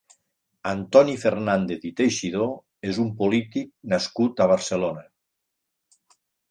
Antoni Fernández i Teixidó és un polític nascut a Barcelona.